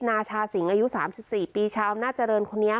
นาชาสิงอายุสามสิบสี่ปีชาวอำนาจริงคนนี้ค่ะ